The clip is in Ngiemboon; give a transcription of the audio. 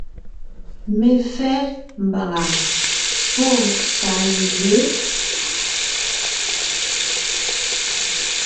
Mefɛ́ (mbàŋa pɔ́ panzwě ).